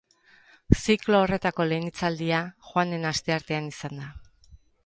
Ziklo horretako lehen hitzaldia joan den asteartean izan da.